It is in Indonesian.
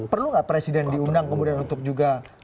perlu nggak presiden diundang kemudian untuk juga